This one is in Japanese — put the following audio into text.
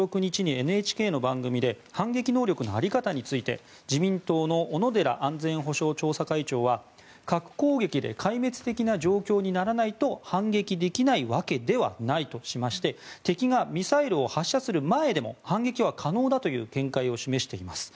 １６日にＮＨＫの番組で反撃能力の在り方について自民党の小野寺安全保障調査会長は核攻撃で壊滅的な状況にならないと反撃できないわけではないとしまして敵がミサイルを発射する前でも反撃は可能だという見解を示しています。